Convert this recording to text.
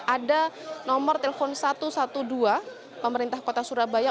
ada nomor telepon satu ratus dua belas pemerintah kota surabaya